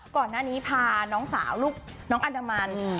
ก่อนหน้านี้พาน้องสาวลูกน้องอันดามัน